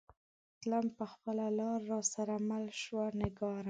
تلم به خپله لار را سره مله شوه نگارا